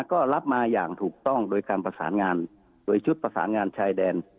ก็รับมาอย่างถูกต้องโดยการประสานงานโดยชุดประสานงานชายแดน